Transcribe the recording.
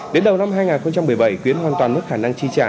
đến đầu năm hai nghìn một mươi bảy quyến hoàn toàn mất khả năng chi trả